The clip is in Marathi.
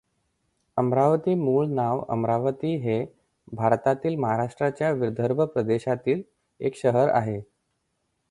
अमरावती मूळ नाव उमरावती हे भारतातील महाराष्ट्राच्या विदर्भ प्रदेशातील एक शहर आहे.